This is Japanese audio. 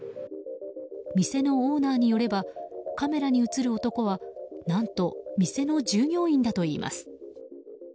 店のオーナーによればカメラに映る男は何と、店の従業員だといいます。